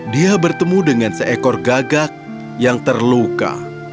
dia bertemu dengan seekor gagak yang terluka